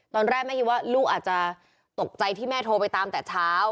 ตอนแรกแม่คิดว่าลูกอาจจะตกใจที่แม่โทรไปตามแต่เช้า